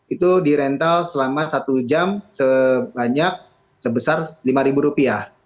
itu dirental selama satu jam sebanyak sebesar lima ribu rupiah